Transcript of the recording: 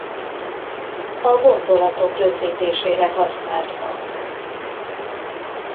A gondolatok rögzítésére használt magnó.